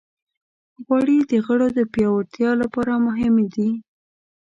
غوړې د غړو د پیاوړتیا لپاره مهمې دي.